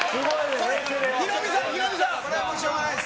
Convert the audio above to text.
これはしょうがないです。